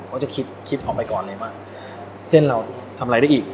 เขาจะคิดคิดออกไปก่อนเลยว่าเส้นเราทำอะไรได้อีก